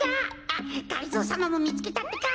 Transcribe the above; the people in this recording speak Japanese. あっがりぞーさまもみつけたってか。